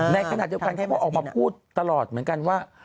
ในขณะเดือบการที่เขาพูดตลอดเหมือนกันว่า